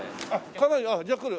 かなりじゃあ来る？